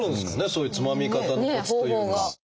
そういうつまみ方のコツというか。